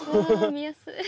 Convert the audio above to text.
見やすい。